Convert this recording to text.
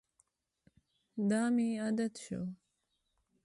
دا مې عادت شو.